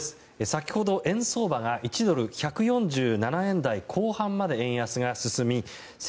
先ほど円相場が１ドル＝１４７円台後半まで円安が進み